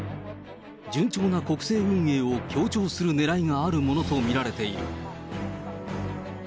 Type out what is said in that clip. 順調な国政運営を強調するねらいがあるものと見られている。